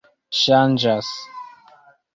ŝanĝas